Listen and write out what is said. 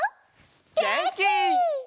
げんき！